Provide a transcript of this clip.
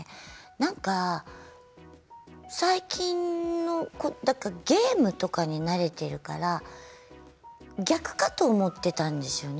なんか最近のゲームとかに慣れているから逆かと思っていたんですよね